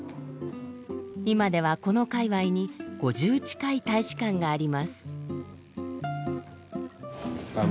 今ではこの界隈に５０近い大使館があります。